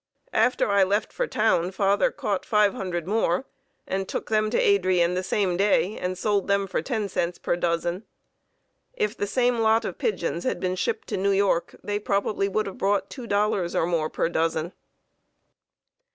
After I left for town, father caught 500 more, and took them to Adrian the same day and sold them for 10 cents per dozen. If the same lot of pigeons had been shipped to New York, they would probably have brought $2 or more per dozen.